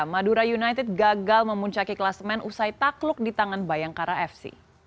madura united gagal memuncaki kelas men usai takluk di tangan bayangkara fc